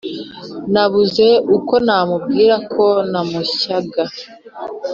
nabuze uko namubwira ko namushyaga